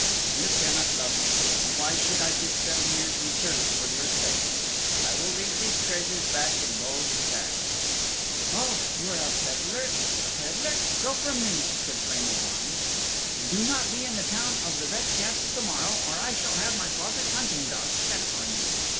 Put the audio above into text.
"You cannot love me. And why should I give seven years in service for your sake? I will leave these treasures back in Mogue's pack." "Oh, you are a peddler, a peddler. Go from me," said Flame of Wine. "And do not be in the Town of the Red Castle to morrow, or I shall have my father's hunting dogs set upon you."